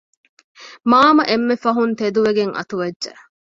މާމަ އެންމެފަހުން ތެދުވެގެން އަތުވެއްޖެ